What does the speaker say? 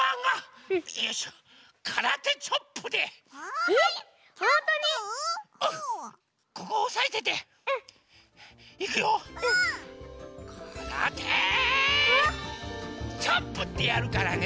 「からてチョップ！」ってやるからね。